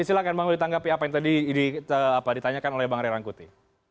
silahkan bang uri tanggapi apa yang tadi ditanyakan oleh bang ray rangkuti